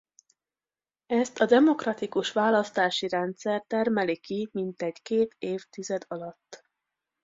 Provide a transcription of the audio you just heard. Ezt a demokratikus választási rendszer termeli ki mintegy két évtized alatt.